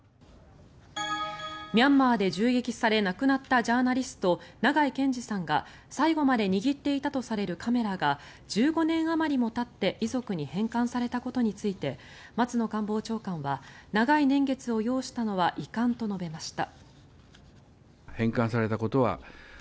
ミャンマーで銃撃され亡くなったジャーナリスト、長井健司さんが最後まで握っていたとされるカメラが１５年あまりもたって遺族に返還されたことについて松野官房長官は長い年月を要したのは遺憾と述べました。